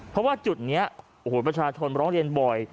เพราะว่าจุดนี้โอ้โหประชาชนร้องเรียนบ่อย